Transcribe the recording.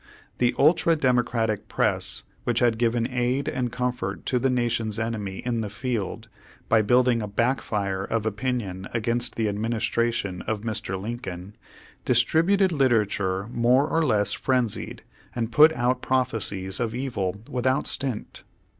The ultra Democratic press, which had given aid and comfort to the Nation's enemy in the field, by building a back fire of opinion against the admin istration of Mr. Lincoln, distributed literature more or less frenzied, and put out prophesies of evil without stint.